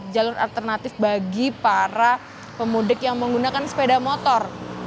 jalur alternatif bagi para pemudik yang menggunakan sepeda motor